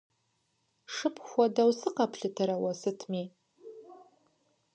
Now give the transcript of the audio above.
Шыпхъу хуэдэу сыкъэплъытэрэ уэ сытми?